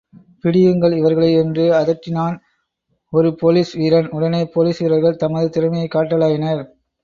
பிடியுங்கள் இவர்களை! என்று அதட்டினான் ஒரு போலீஸ் வீரன், உடனே போலீஸ் வீரர்கள் தமது திறமையைக் காட்டலாயினர்.